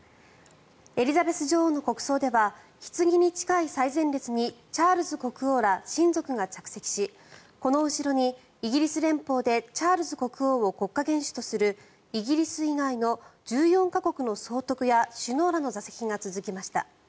エリザベス女王の国葬ではひつぎに近い最前列にチャールズ国王ら親族が着席しこの後ろにイギリス連邦でチャールズ国王を国家元首とするイギリス以外の１４か国の総督や首脳らの座席が続きました。